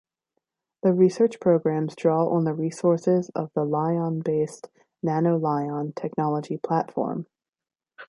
The research programs draw on the resources of the Lyon-based Nanolyon technology platform.